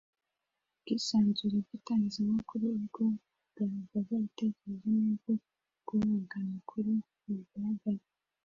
ubwisanzure bw itangazamakuru ubwo kugaragaza ibitekerezo n ubwo guhabwa amakuru bugaragara